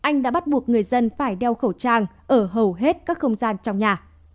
phải đeo khẩu trang ở hầu hết các không gian trong nhà